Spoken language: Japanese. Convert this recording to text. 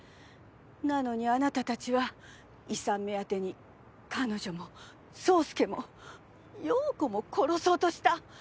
なのにあなたたちは遺産目当てに彼女も宗介も葉子も殺そうとした！